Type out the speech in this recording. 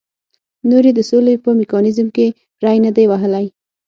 نور یې د سولې په میکانیزم کې ری نه دی وهلی.